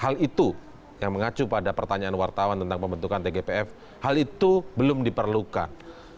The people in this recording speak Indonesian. hal itu yang mengacu pada pertanyaan wartawan tentang pembentukan tgpf hal itu belum diperlukan